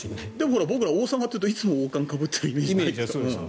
僕ら、王様というといつも王冠をかぶっているイメージ。